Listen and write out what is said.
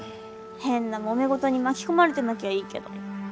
変なもめ事に巻き込まれてなきゃいいけど。